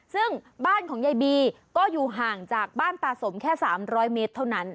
ซึ่งบ้านของยายบีก็อยู่ห่างจากบ้านตาสมแค่๓๐๐เมตรเท่านั้น